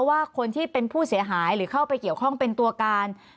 ว่าคนที่เป็นผู้เสียหายหรือเข้าไปเกี่ยวข้องเป็นตัวการ